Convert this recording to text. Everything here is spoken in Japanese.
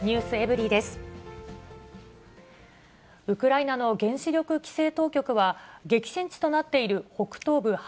ウクライナの原子力規制当局は、激戦地となっている北東部